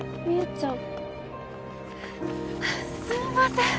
すいません。